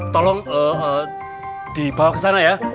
tolong dibawa ke sana ya